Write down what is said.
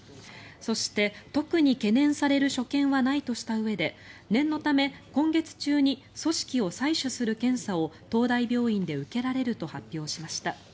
そして、特に懸念される所見はないとしたうえで念のため、今月中に組織を採取する検査を東大病院で受けられると発表しました。